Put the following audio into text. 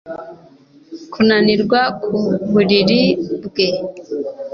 Kunanirwa ku buriri bwe